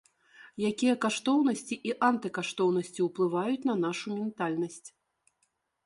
Якія каштоўнасці і антыкаштоўнасці ўплываюць на нашу ментальнасць?